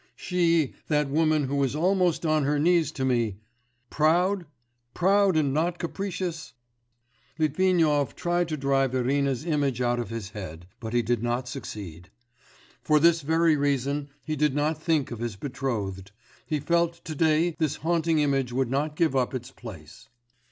She, that woman who is almost on her knees to me, proud? proud and not capricious?' Litvinov tried to drive Irina's image out of his head, but he did not succeed. For this very reason he did not think of his betrothed; he felt to day this haunting image would not give up its place.